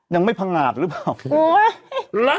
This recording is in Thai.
ยังไม่พงาดหรือเปล่า